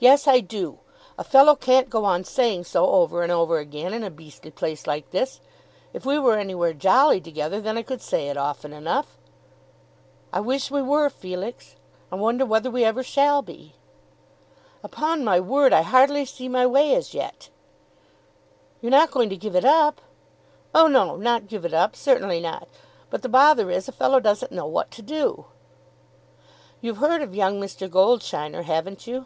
"Yes, I do. A fellow can't go on saying so over and over again in a beastly place like this. If we were anywhere jolly together, then I could say it often enough." "I wish we were, Felix. I wonder whether we ever shall be." "Upon my word I hardly see my way as yet." "You're not going to give it up!" "Oh no; not give it up; certainly not. But the bother is a fellow doesn't know what to do." "You've heard of young Mr. Goldsheiner, haven't you?"